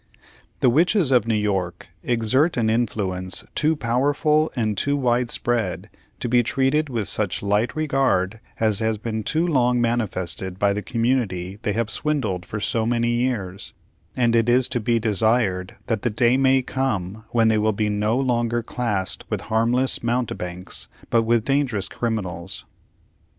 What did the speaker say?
The Witches of New York exert an influence too powerful and too wide spread to be treated with such light regard as has been too long manifested by the community they have swindled for so many years; and it is to be desired that the day may come when they will be no longer classed with harmless mountebanks, but with dangerous criminals.